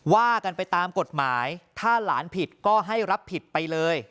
ว่ากันไปตามกฎหมายถ้าหลานผิดก็ให้รับผิดไปเลย